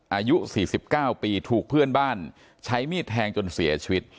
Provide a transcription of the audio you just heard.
อายุ๔๙ปีถูกเพื่อนบ้านใช้มีดแทงจนเสียชีวิต